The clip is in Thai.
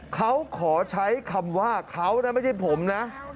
เขาขอใช้คำว่าเขานะไม่ใช่ผมนะ